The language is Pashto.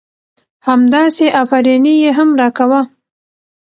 همداسې افرينى يې هم را کوه .